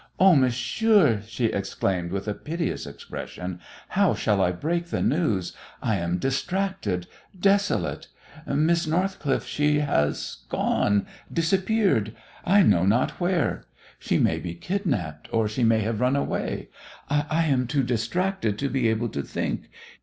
"Oh, monsieur," she exclaimed, with a piteous expression, "how shall I break the news? I am distracted, desolate! Miss Northcliffe she has gone disappeared. I know not where. She may be kidnapped or she may have run away. I am too distracted to be able to think.